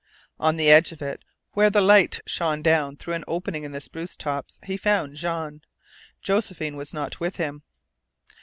On the edge of it, where the light shone down through an opening in the spruce tops, he found Jean. Josephine was not with him.